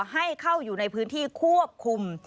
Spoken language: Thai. ให้เข้าอยู่ในพื้นที่ควบคุม